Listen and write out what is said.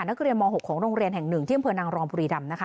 นักเรียนม๖ของโรงเรียนแห่งหนึ่งที่อำเภอนางรองบุรีรำนะคะ